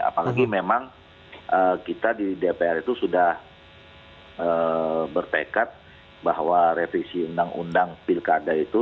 apalagi memang kita di dpr itu sudah bertekad bahwa revisi undang undang pilkada itu